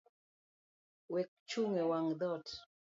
Wekchung’ ewang’ dhoot.